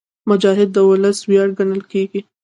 مجاهد د ولس ویاړ ګڼل کېږي.